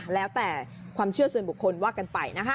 แล้วแต่ความเชื่อส่วนบุคคลว่ากันไปนะคะ